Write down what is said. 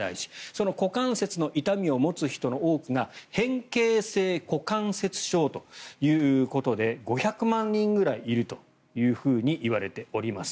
その股関節の痛みを持つ人の多くが変形性股関節症ということで５００万人ぐらいいるといわれております。